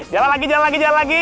jalan lagi jalan lagi jalan lagi